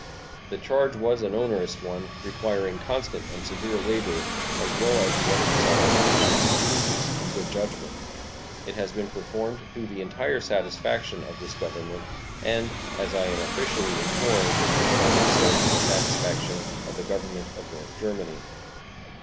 The charge was an onerous one, requiring constant and severe labor, as well as the exercise of patience, prudence, and good judgment. It has been performed to the entire satisfaction of this Government, and, as I am officially informed, equally so to the satisfaction of the Government of North Germany.